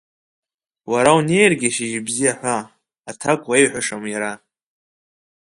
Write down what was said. Уара унеиргьы шьыжьбзиа ҳәа, аҭак уеиҳәашам иара.